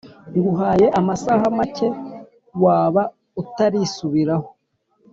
nguhaye amasaha make waba utarisubiraho